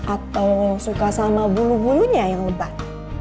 atau suka sama bulu bulunya yang lebat